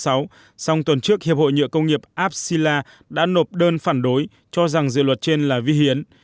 sau tuần trước hiệp hội nhựa công nghiệp appila đã nộp đơn phản đối cho rằng dự luật trên là vi hiến